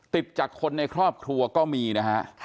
ติดจากคนในครอบครัวก็มีนะฮะ